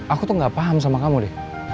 aku tuh gak paham sama kamu deh